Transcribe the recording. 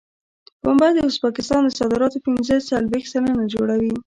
پنبه د ازبکستان د صادراتو پنځه څلوېښت سلنه جوړوي.